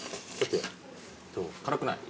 辛くない？